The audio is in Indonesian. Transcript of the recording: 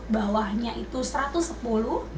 bawahnya itu satu ratus sepuluh